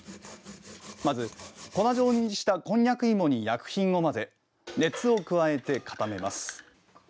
まず粉状にしたこんにゃく芋に薬品を混ぜ、熱を加えて固めます。